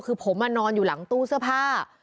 คือผมนอนอยู่หลังตู้เสื้อผ้า